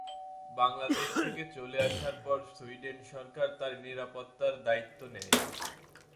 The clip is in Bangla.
বাংলাদেশ থেকে চলে আসার পর সুইডেন সরকার তার নিরাপত্তার দায়িত্ব নেয়।